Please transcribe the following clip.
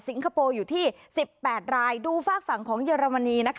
คโปร์อยู่ที่๑๘รายดูฝากฝั่งของเยอรมนีนะคะ